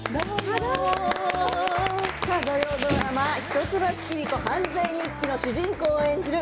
土曜ドラマ「一橋桐子の犯罪日記」の主人公を演じる